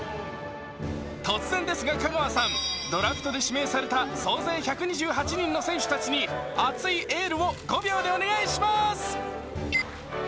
突然ですが香川さん、ドラフトで指名された総勢１２８人の選手たちに熱いエールを５秒でお願いします。